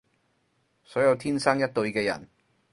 所有天生一對嘅人